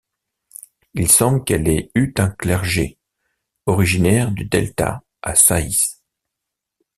Il semble qu'elle ait eu un clergé, originaire du delta à Saïs.